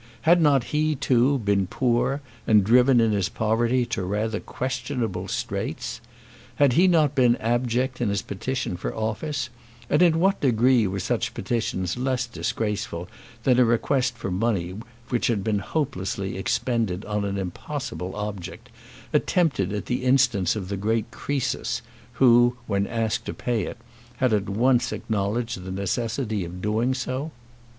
Had not he, too, been poor, and driven in his poverty to rather questionable straits? Had not he been abject in his petition for office, and in what degree were such petitions less disgraceful than a request for money which had been hopelessly expended on an impossible object, attempted at the instance of the great Croesus who, when asked to pay it, had at once acknowledged the necessity of doing so?